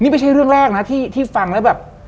นี่ไม่ใช่เรื่องแรกนะที่ฟังแล้วแบบ